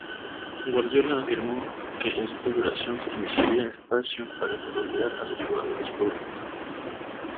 Guardiola afirmó que esta duración permitiría espacio para desarrollar a los jugadores jóvenes.